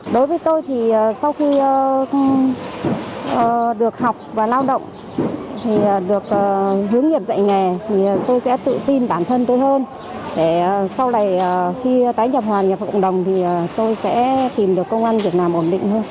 đối với tôi thì sau khi được học và lao động thì được hướng nghiệp dạy nghề thì tôi sẽ tự tin bản thân tôi hơn để sau này khi tái nhập hoàn nhập vào cộng đồng thì tôi sẽ tìm được công an việc làm ổn định hơn